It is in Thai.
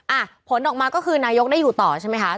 อ่ะผลออกมาก็คือนายกได้อยู่ต่อใช่ไหมคะ